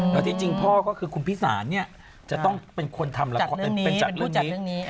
แล้วที่จริงพ่อก็คือคุณพิสารเนี่ยจะต้องเป็นคนทำละครเป็นจากเรื่องนี้